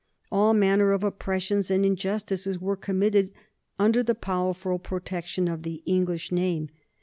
All manner of oppressions and injustices were committed under the powerful protection of the English name.